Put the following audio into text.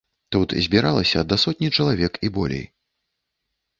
Тут збіралася да сотні чалавек і болей.